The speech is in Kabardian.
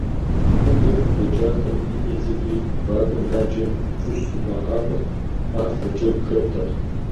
Губгъуэм къыдэкӀахэм ини цӀыкӀуи вакӀуэ мэжаджэм щыщ зыӀуагъахуэрт, къафэ, джэгу хэттэкъым.